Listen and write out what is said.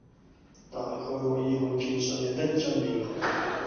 大概可以看見世人的真面目；